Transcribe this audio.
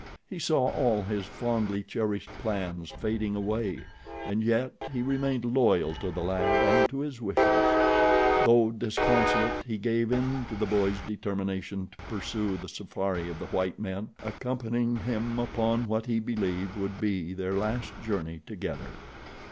He saw all his fondly cherished plans fading away, and yet he remained loyal to the lad and to his wishes. Though disconsolate he gave in to the boy's determination to pursue the safari of the white men, accompanying him upon what he believed would be their last journey together.